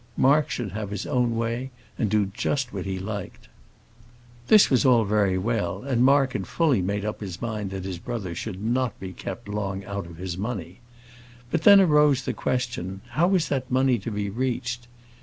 Mark should have his own way, and do just what he liked. This was all very well, and Mark had fully made up his mind that his brother should not be kept long out of his money. But then arose the question, how was that money to be reached?